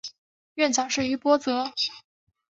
院长是于博泽。